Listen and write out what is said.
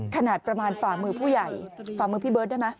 ขนาดประมาณฝ่ามือผู้ใหญ่ฝ่ามือพี่เบิร์ตได้ไหม